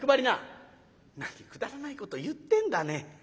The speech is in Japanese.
「なにくだらないこと言ってんだね」。